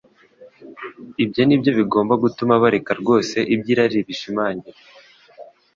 Ibyo nibyo bigomba gutuma bareka rwose iby'irari bishimiraga.